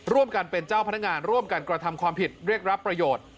ร่วมกันเป็นเจ้าพนักงานร่วมกันกระทำความผิดเรียกรับประโยชน์